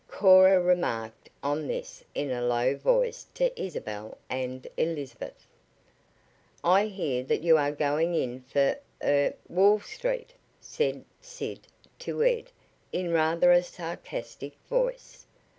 Cora remarked on this in a low voice to Isabel and Elizabeth. "I hear that you are going in for er Wall Street," said Sid to Ed in rather a sarcastic voice.